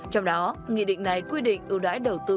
trong đó nghị định này quy định ưu đãi đầu tư